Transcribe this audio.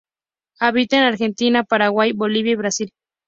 Habita en Argentina, Paraguay, Bolivia y Brasil.